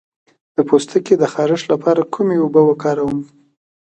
د پوستکي د خارښ لپاره کومې اوبه وکاروم؟